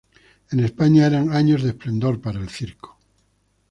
En España eran años de esplendor para el circo.